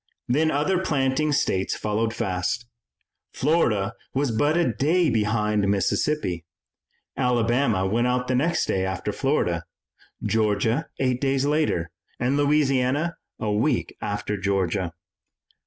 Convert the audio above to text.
Then other planting states followed fast. Florida was but a day behind Mississippi, Alabama went out the next day after Florida, Georgia eight days later, and Louisiana a week after Georgia.